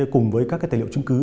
cùng với các tài liệu chứng cứ